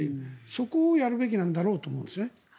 そこをやるべきなんだろうと思うんですよね。